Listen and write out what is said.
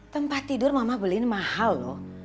tempat tidur mama beliin mahal loh